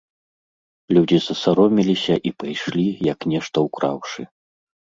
Людзі засароміліся і пайшлі, як нешта ўкраўшы.